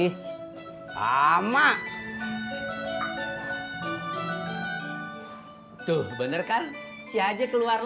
lo babay sabar dulu atau sebentar lagi si haji keluar lagi